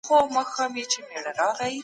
د علم او فن ترمنځ توپير واضح کړئ.